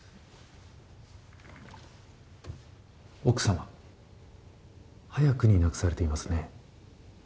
奥様早くに亡くされていますね？